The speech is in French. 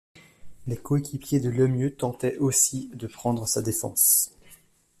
Les coéquipiers de Lemieux tentaient aussi de prendre sa défense.